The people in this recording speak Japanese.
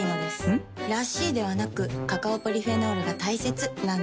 ん？らしいではなくカカオポリフェノールが大切なんです。